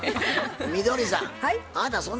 みどりさん。